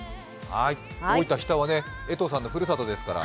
大分・日田は江藤さんのふるさとですから。